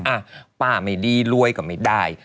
อ่ะป้าไม่ดีรวยก็ไม่ได้